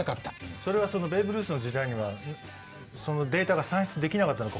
それはそのベーブ・ルースの時代にはそのデータが算出できなかったのか